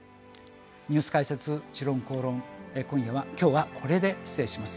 ニュース解説「時論公論」今日はこれで失礼します。